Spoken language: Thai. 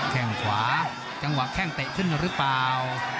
แค่งขวาจังหวะแข้งเตะขึ้นหรือเปล่า